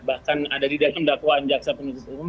bahkan ada di dalam dakwaan jaksa penuntut umum